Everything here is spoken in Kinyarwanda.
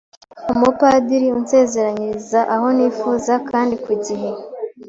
umupadiri unsezeranyiriza aho nifuza kandi ku gihe